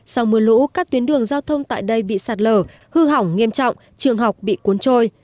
sau mưa lũ các tuyến đường giao thông tại đây bị sạt lở hư hỏng nghiêm trọng trường học bị cuốn trôi